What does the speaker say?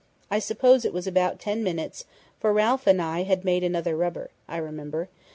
I suppose it was about ten minutes, for Ralph and I had made another rubber, I remember....